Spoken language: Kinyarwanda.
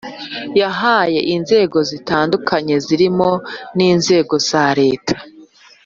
Yahaye inzego zitandukanye zirimo n inzego za leta